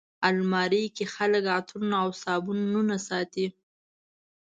الماري کې خلک عطرونه او صابونونه ساتي